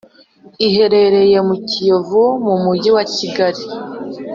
, iherereye mu Kiyovu mu Mujyi wa Kigali